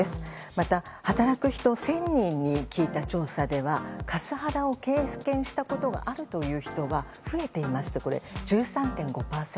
また、働く人１０００人に聞いた調査ではカスハラを経験したことがあるという人は増えていまして、１３．５％。